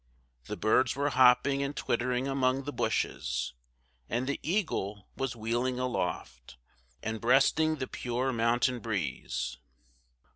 The birds were hopping and twittering among the bushes, and the eagle was wheeling aloft, and breasting the pure mountain breeze.